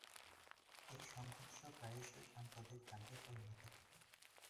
এই সংঘর্ষ প্রায়শই সাম্প্রদায়িক দাঙ্গায় পরিণত হতো।